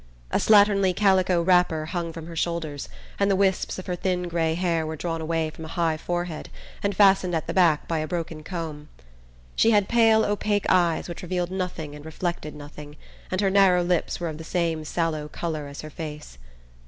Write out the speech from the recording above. A slatternly calico wrapper hung from her shoulders and the wisps of her thin grey hair were drawn away from a high forehead and fastened at the back by a broken comb. She had pale opaque eyes which revealed nothing and reflected nothing, and her narrow lips were of the same sallow colour as her face.